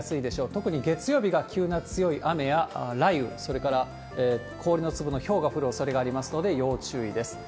特に月曜日が急な強い雨や雷雨、それから氷の粒のひょうが降るおそれがありますので、要注意です。